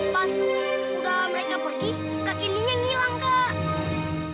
pas udah mereka pergi kakininya ngilang kak